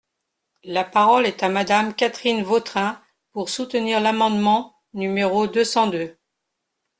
La parole est à Madame Catherine Vautrin, pour soutenir l’amendement numéro deux cent deux.